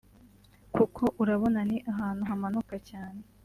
kuko urabona ni ahantu hamanuka cyane